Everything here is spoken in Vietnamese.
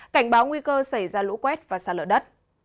cảnh báo nguy cơ xảy ra lũ quét và xa lở đất